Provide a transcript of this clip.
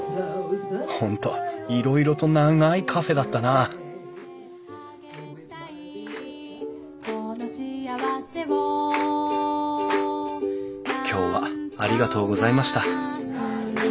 本当いろいろと長いカフェだったな今日はありがとうございました。